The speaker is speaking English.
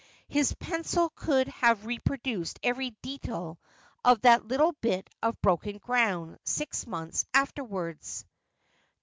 His pencil could have reproduced every detail of that little bit of broken ground six months afterwards.